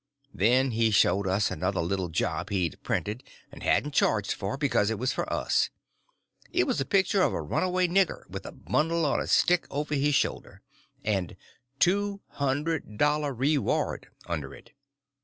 Then he showed us another little job he'd printed and hadn't charged for, because it was for us. It had a picture of a runaway nigger with a bundle on a stick over his shoulder, and "$200 reward" under it.